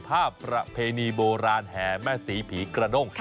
ภาพระเพนีโบราณหมสีผีกระด้ง